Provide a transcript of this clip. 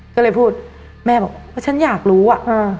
ก็เลยพูดแม่บอกเพราะฉันอยากรู้อ่ะ